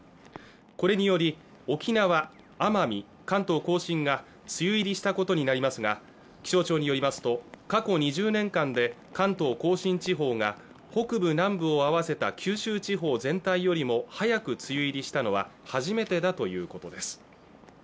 これにより沖縄、奄美、関東甲信が梅雨入りしたことになりますが気象庁によりますと過去２０年間で関東甲信地方が北部南部を合わせた九州地方全体よりも早く梅雨入りしたのは初めてだということです